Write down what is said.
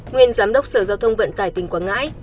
nguyên giám đốc sở giao thông vận tải tỉnh quảng ngãi